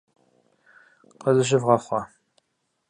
Къызыщывгъэхъуа?